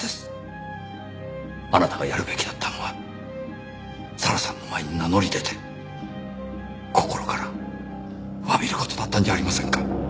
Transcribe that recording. あなたがやるべきだったのは咲良さんの前に名乗り出て心から詫びる事だったんじゃありませんか。